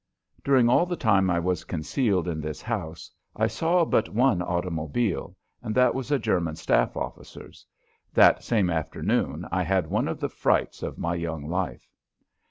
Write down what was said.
During all the time I was concealed in this house I saw but one automobile, and that was a German staff officer's. That same afternoon I had one of the frights of my young life.